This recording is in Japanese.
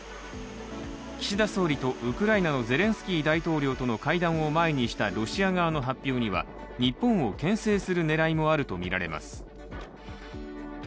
岸田総理とウクライナのゼレンスキー大統領との会談を前にしたロシア側の発表には日本をけん制する狙いもあるとみられます。